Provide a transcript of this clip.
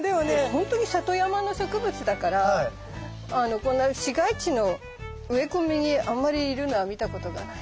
本当に里山の植物だからこんな市街地の植え込みにあんまりいるのは見たことがない。